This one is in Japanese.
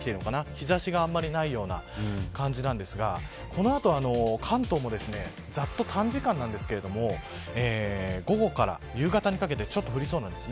日差しがあんまりないような感じですがこの後、関東もざっと短時間なんですが午後から夕方にかけてちょっと降りそうです。